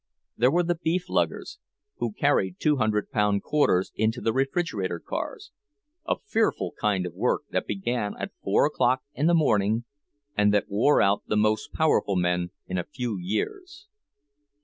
There were the beef luggers, who carried two hundred pound quarters into the refrigerator cars; a fearful kind of work, that began at four o'clock in the morning, and that wore out the most powerful men in a few years.